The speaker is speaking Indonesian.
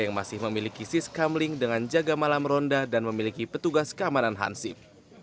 yang masih memiliki siskamling dengan jaga malam ronda dan memiliki petugas keamanan hansip